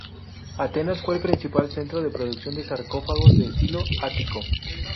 Atenas fue el principal centro de producción de sarcófagos de estilo ático.